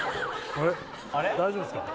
大丈夫すか？